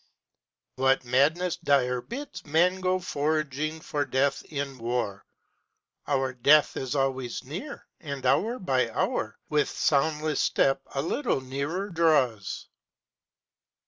What madness dire Bids men go foraging for death in war? Our death is always near, and hour by hour, With soundless step a little nearer draws.